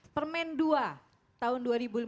permen dua tahun dua ribu lima belas